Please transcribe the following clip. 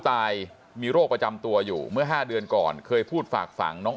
ตายมีโรคประจำตัวอยู่เมื่อ๕เดือนก่อนเคยพูดฝากฝังน้อง